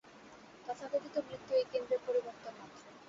তথাকথিত মৃত্যু এই কেন্দ্রের পরিবর্তন-মাত্র।